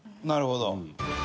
なるほど。